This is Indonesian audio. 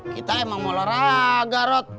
kita emang olahraga rot